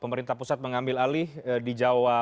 pemerintah pusat mengambil alih di jawa